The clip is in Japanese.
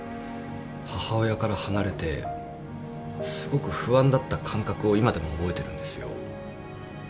母親から離れてすごく不安だった感覚を今でも覚えてるんですよ。